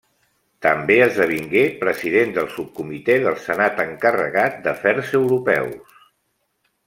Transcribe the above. També esdevingué president del subcomitè del Senat encarregat d'Afers Europeus.